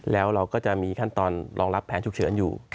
แล้วเราก็จะมีขั้นตอนรองรับแผนฉุกเฉินอยู่